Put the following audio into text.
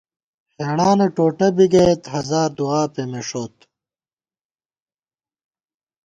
ہېڑانہ ٹوٹہ بی گَئیت ، ہزار دُعا پېمېݭوت